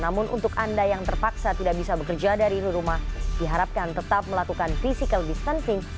namun untuk anda yang terpaksa tidak bisa bekerja dari rumah diharapkan tetap melakukan physical distancing